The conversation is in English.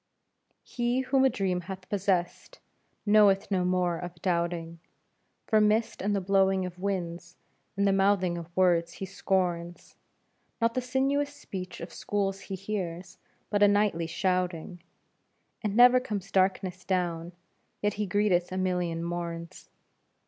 He whom a dream hath possessed knoweth no more of doubting, For mist and the blowing of winds and the mouthing of words he scorns; Not the sinuous speech of schools he hears, but a knightly shouting, And never comes darkness down, yet he greeteth a million morns.